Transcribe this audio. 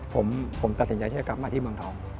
ผมตัดสินใจที่จะกลับมาที่เมืองทอง